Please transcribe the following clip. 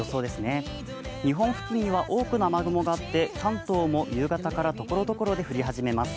日本付近は多くの雨雲があって、関東も夕方からところどころで降り始めます。